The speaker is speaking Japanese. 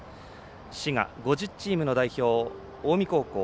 滋賀、５０チームの代表近江高校。